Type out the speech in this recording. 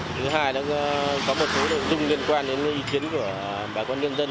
thứ hai là có một số đồng chung liên quan đến ý kiến của bà con nhân dân